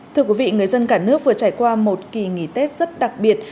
thưa quý vị người dân cả nước vừa trải qua một kỳ nghỉ tết rất đặc biệt